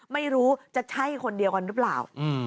ไม่รู้จะใช่คนเดียวกันหรือเปล่า